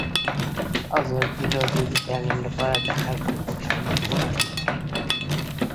ازادي راډیو د تعلیم لپاره د خلکو غوښتنې وړاندې کړي.